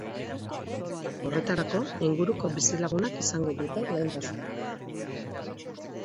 Horretarako, inguruko bizilagunak izango dute lehentasuna.